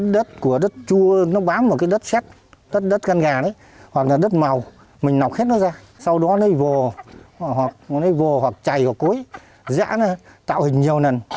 đất của đất chua nó bám vào cái đất xét đất căn gà đấy hoặc là đất màu mình nọc hết nó ra sau đó nó vô nó vô hoặc chày hoặc cối dã nó tạo hình nhiều lần